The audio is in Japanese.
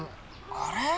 あれ？